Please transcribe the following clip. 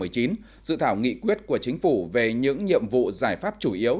dự thảo nghị quyết của chính phủ về những nhiệm vụ giải pháp chủ yếu